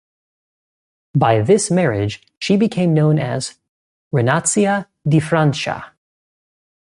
By this marriage, she became known as "Renatia di Francia".